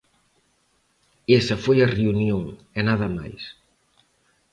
Esa foi a reunión, e nada máis.